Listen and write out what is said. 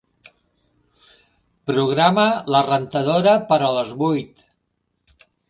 Programa la rentadora per a les vuit.